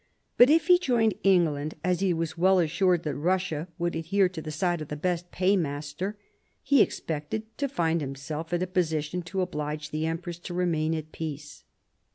But if he joined England, as he was well assured that Russia would adhere to the side of the best paymaster, he expected to find himself in a position to oblige the empress to remain at peace.